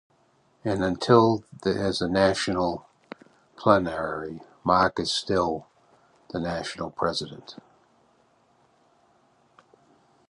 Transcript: And until there's a national plenary, Mark is still the national president.